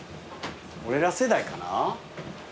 俺ら世代かな？